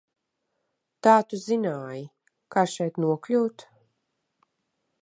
Tā tu zināji, kā šeit nokļūt?